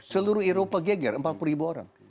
seluruh eropa geger empat puluh ribu orang